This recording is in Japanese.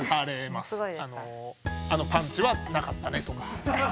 あのパンチはなかったねとか。